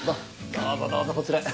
どうぞどうぞこちらへ。